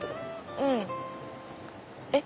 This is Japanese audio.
うんえっ？